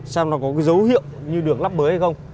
xem nó có dấu hiệu như được lắp bới hay không